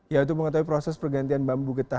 yaitu mengetahui proses pergantian bambu getah ketih